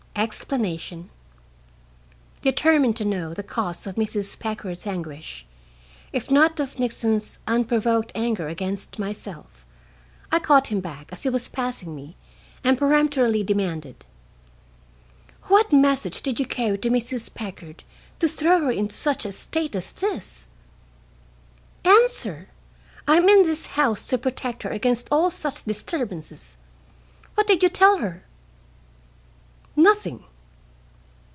EXPLANATION Determined to know the cause of Mrs. Packard's anguish, if not of Nixon's unprovoked anger against myself, I caught him back as he was passing me and peremptorily demanded: "What message did you carry to Mrs. Packard to throw her into such a state as this? Answer! I am in this house to protect her against all such disturbances. What did you tell her?" "Nothing."